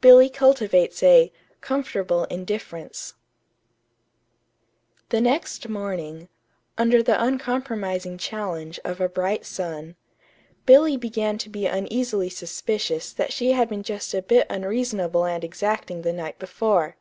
BILLY CULTIVATES A "COMFORTABLE INDIFFERENCE" The next morning, under the uncompromising challenge of a bright sun, Billy began to be uneasily suspicious that she had been just a bit unreasonable and exacting the night before.